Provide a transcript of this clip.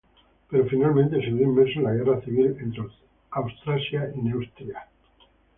Pero finalmente se vio inmerso en la guerra civil entre Austrasia y Neustria.